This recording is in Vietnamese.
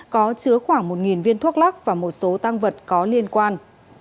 có chứa khoảng một viên thuốc lắc và một số tăng vật có liên quan